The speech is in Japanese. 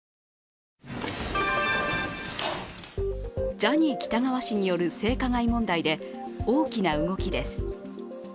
ジャニー喜多川氏による性加害問題で、大きな動きです。